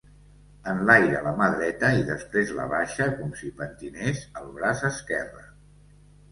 Enlaira la mà dreta i després l'abaixa com si pentinés el braç esquerre.